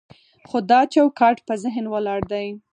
خو دا چوکاټ په ذهن ولاړ دی.